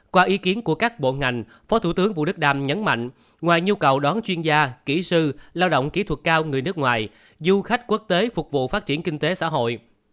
qua ý kiến của các bộ ngành phó thủ tướng vũ đức đam nhấn mạnh ngoài nhu cầu đón chuyên gia kỹ sư lao động kỹ thuật cao người nước ngoài du khách quốc tế phục vụ phát triển kinh tế xã hội